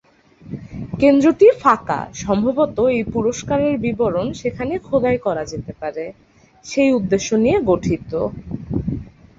কেন্দ্রটি ফাঁকা, সম্ভবত এই পুরষ্কারের বিবরণ সেখানে খোদাই করা যেতে পারে সেই উদ্দেশ্য নিয়ে গঠিত।